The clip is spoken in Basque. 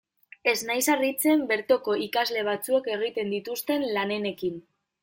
Ez naiz harritzen bertoko ikasle batzuek egiten dituzten lanenekin.